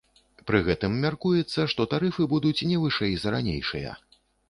Пры гэтым мяркуецца, што тарыфы будуць не вышэй за ранейшыя.